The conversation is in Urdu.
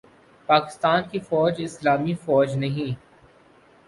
پاکستان کی فوج اسلامی فوج نہیں